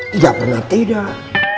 tidak pernah tidak